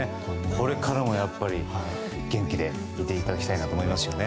これからも元気でいていただきたいと思いますね。